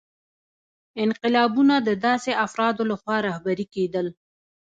انقلابونه د داسې افرادو لخوا رهبري کېدل.